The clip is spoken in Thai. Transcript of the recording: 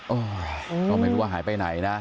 โอ้โฮไม่รู้ว่าหายไปไหนนะ